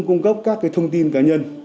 để cung cấp các cái thông tin cá nhân